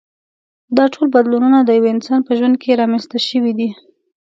دا ټول بدلونونه د یوه انسان په ژوند کې رامنځته شوي دي.